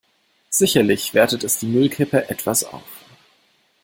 Sicherlich wertet es die Müllkippe etwas auf.